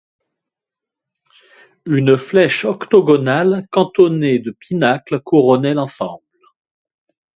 Une flèche octogonale cantonnée de pinacles couronnait l'ensemble.